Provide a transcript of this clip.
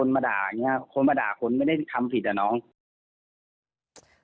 พี่ต้องยืนยันว่ารุ๊กน้องพี่